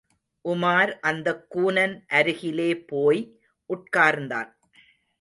உமார் அந்தக் கூனன் அருகிலே போய் உட்கார்ந்தான்.